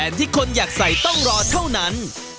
ที่คนอยากใส่ต้องรอเท่านั้น